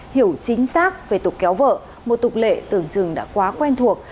hiểu chính xác về tục kéo vợ một tục lệ tưởng chừng đã quá quen thuộc